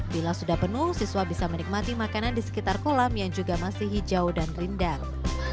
bila sudah penuh siswa bisa menikmati makanan di sekitar kolam yang juga masih hijau dan rindang